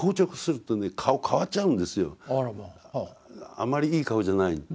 あまりいい顔じゃない。